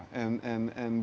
dan kami datang